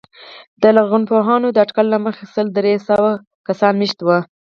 د لرغونپوهانو د اټکل له مخې سل تر درې سوه کسان مېشت وو